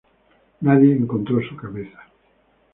Nadie encontro su cabeza.